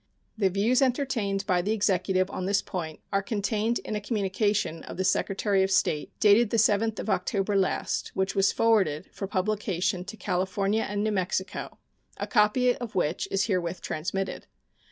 The views entertained by the Executive on this point are contained in a communication of the Secretary of State dated the 7th of October last, which was forwarded for publication to California and New Mexico, a copy of which is herewith transmitted.